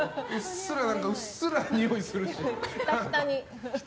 うっすらにおいするし。